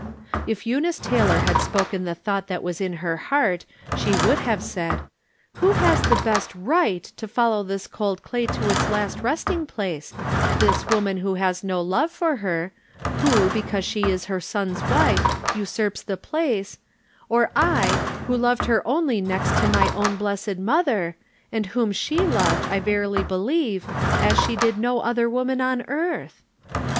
If Eunice Taylor had. spoken the thought that was in her heart she would have said, " Who has the best right to follow this cold clay to its last resting place, this woman wTio has no love for her, who, because she is her son's wife, iisurps the place, or I, who loved her only next to my own blessed mother, and whom she loved, I ver ily believe, as she did no other woman on earth